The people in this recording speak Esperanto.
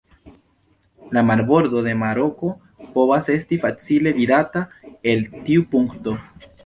La marbordo de Maroko povas esti facile vidata el tiu punkto.